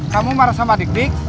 kamu marah sama dik dik